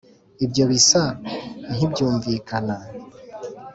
ibyo bisa nkibyumvikana